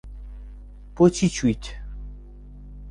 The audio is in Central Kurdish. بۆچی چویت؟